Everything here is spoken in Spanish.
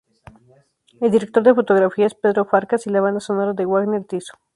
El director de fotografía es Pedro Farkas y la banda sonora de Wagner Tiso.